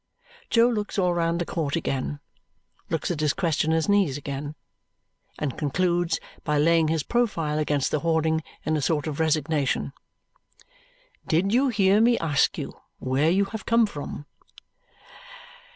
Jo looks all round the court again, looks at his questioner's knees again, and concludes by laying his profile against the hoarding in a sort of resignation. "Did you hear me ask you where you have come from?"